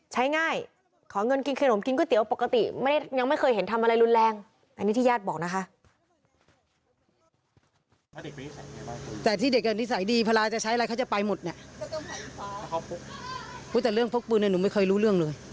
ใช้ง่ายขอเงินกินขนมกินก๋วยเตี๋ยวปกติยังไม่เคยเห็นทำอะไรรุนแรง